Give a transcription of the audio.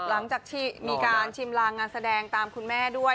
หลังจากที่มีการชิมลางงานแสดงตามคุณแม่ด้วย